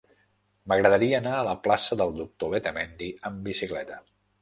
M'agradaria anar a la plaça del Doctor Letamendi amb bicicleta.